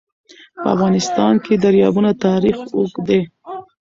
په افغانستان کې د دریابونه تاریخ اوږد دی.